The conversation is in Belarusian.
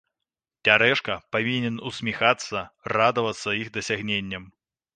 Цярэшка павінен усміхацца, радавацца іх дасягненням.